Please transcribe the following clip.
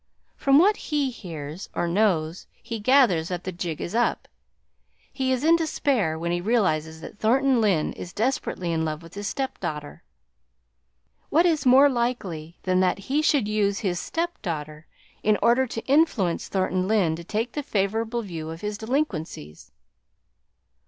From what he hears, or knows, he gathers, that the jig is up. He is in despair when he realises that Thornton Lyne is desperately in love with his step daughter. What is more likely than that he should use his step daughter in order to influence Thornton Lyne to take the favourable view of his delinquencies?"